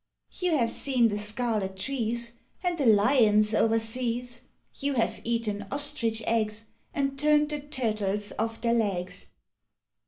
You have seen the scarlet trees And the lions over seas; You have oaten ostrich eggs. And turned the turtles otf their legs.